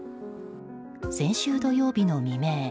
先週土曜日の未明。